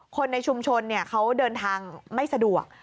คนในชุมชนเขาเดินทางไม่สะดวก